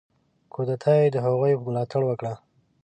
کودتا یې د هغوی په ملاتړ وکړه.